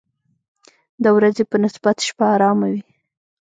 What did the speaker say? د ورځې په نسبت شپه آرامه وي.